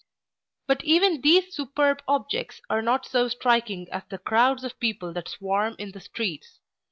But even these superb objects are not so striking as the crowds of people that swarm in the streets.